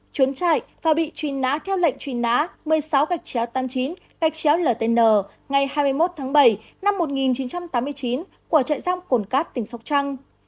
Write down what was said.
chuốn chạy và bị truy nã theo lệnh truy nã một mươi sáu ba mươi chín ltn ngày hai mươi một tháng bảy năm một nghìn chín trăm tám mươi chín của trại giam cổn cát tỉnh sóc trăng